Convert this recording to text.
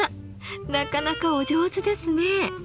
なかなかお上手ですね。